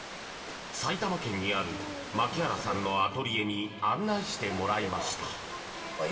埼玉県にある牧原さんのアトリエに案内してもらいました。